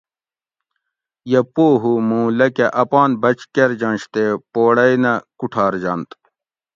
یہ پوہ ھو موں لکہ اپان بچ کرجنش تے پوڑئ نہ کوٹھار جنت